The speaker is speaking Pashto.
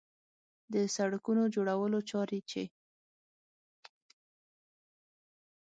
د سړکونو جوړولو چارې چې